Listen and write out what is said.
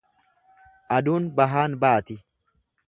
Aduun bahaan baati.